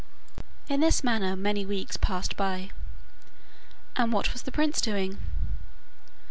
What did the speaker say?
In this manner many weeks passed by. And what was the prince doing?